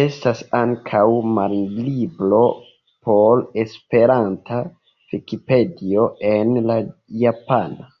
Estas ankaŭ manlibro por Esperanta Vikipedio en la japana.